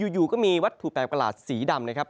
อยู่ก็มีวัตถุแปลกประหลาดสีดำนะครับ